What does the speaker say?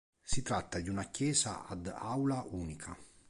Si tratta di una chiesa ad aula unica.